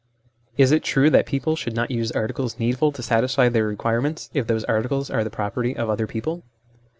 Is it true that people should not use articles needful to satisfy their requirements, if those articles are the property of other people